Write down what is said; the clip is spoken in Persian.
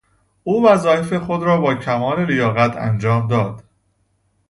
او وظایف خود را با کمال لیاقت انجام داد.